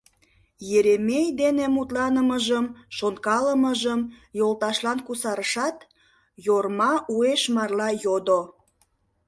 Еремей дене мутланымыжым, шонкалымыжым йолташлан кусарышат, Йорма уэш марла йодо: